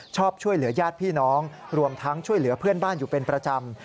ช่วยเหลือญาติพี่น้องรวมทั้งช่วยเหลือเพื่อนบ้านอยู่เป็นประจำ